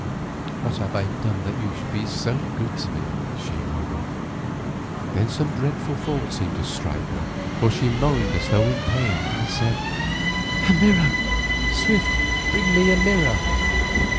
"What have I done that you should be so good to me?" she murmured. Then some dreadful thought seemed to strike her, for she moaned as though in pain, and said, "A mirror! Swift, bring me a mirror!"